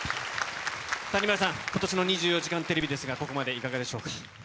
谷村さん、ことしの２４時間テレビですが、ここまでいかがでしょうか。